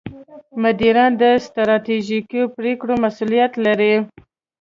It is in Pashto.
مدیران د ستراتیژیکو پرېکړو مسوولیت لري.